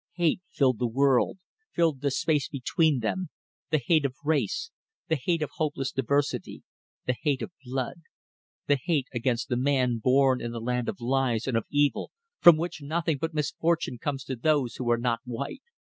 Hate filled the world, filled the space between them the hate of race, the hate of hopeless diversity, the hate of blood; the hate against the man born in the land of lies and of evil from which nothing but misfortune comes to those who are not white.